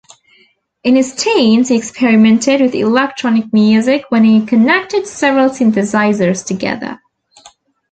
In his teens he experimented with electronic music when he connected several synthesizers together.